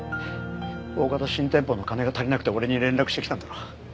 おおかた新店舗の金が足りなくて俺に連絡してきたんだろ。